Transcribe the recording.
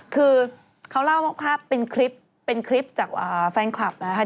คือเขาเล่าภาพเป็นคลิปเป็นคลิปจากแฟนคลับนะคะ